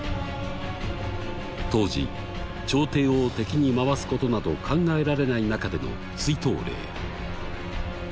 当時朝廷を敵に回すことなど考えられない中での「追討令」。